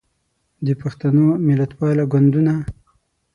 د پښتنو ملتپاله ګوندونه